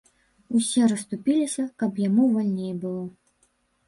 Усе расступіліся, каб яму вальней было.